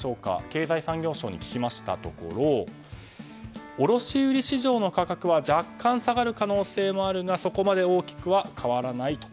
経済産業省に聞いたところ卸売市場の価格は若干下がる可能性はあるがそこまで大きくは変わらないと。